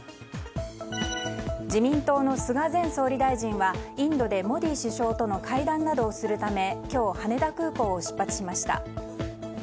自民党の菅前総理大臣はインドでモディ首相との会談などをするため今日、羽田空港を出発しました。